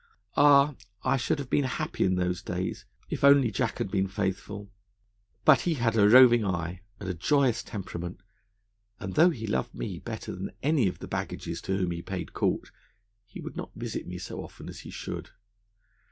Ah, I should have been happy in those days if only Jack had been faithful. But he had a roving eye and a joyous temperament; and though he loved me better than any of the baggages to whom he paid court, he would not visit me so often as he should.